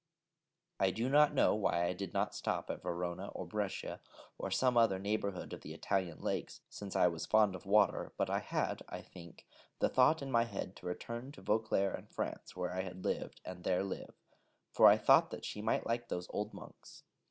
I do not know why I did not stop at Verona or Brescia, or some other neighbourhood of the Italian lakes, since I was fond of water: but I had, I think, the thought in my head to return to Vauclaire in France, where I had lived, and there live: for I thought that she might like those old monks.